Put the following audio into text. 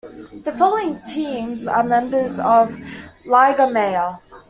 The following teams are members of "Liga Mayor".